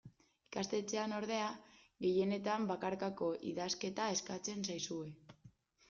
Ikastetxean, ordea, gehienetan bakarkako idazketa eskatzen zaizue.